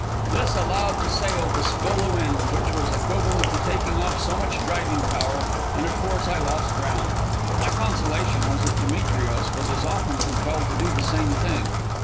This allowed the sail to spill the wind, which was equivalent to taking off so much driving power, and of course I lost ground. My consolation was that Demetrios was as often compelled to do the same thing.